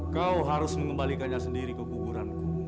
kau harus mengembalikannya sendiri ke kuburanku